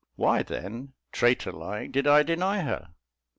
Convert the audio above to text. Why, then, traitor like, did I deny her?